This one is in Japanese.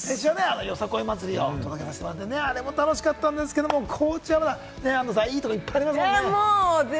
よさこい祭りをお届けしましたけれども、あれも楽しかったですけれども、高知は安藤さん、いいところがいっぱいありますもんね。